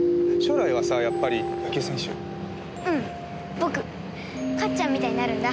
僕かっちゃんみたいになるんだ。